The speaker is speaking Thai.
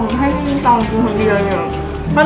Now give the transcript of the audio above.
มันจะดีเหรอคุณพี่รม